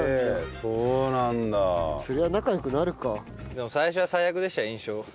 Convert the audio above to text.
でも最初は最悪でした印象。